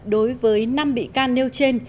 đối với năm bị can nêu trên